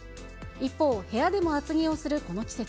一方、部屋でも厚着をするこの季節。